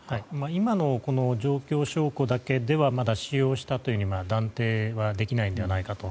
今のこの状況証拠だけではまだ使用したと断定はできないのではないかと。